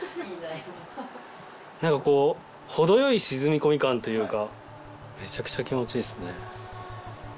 何かこう程よい沈み込み感というかめちゃくちゃ気持ちいいっすね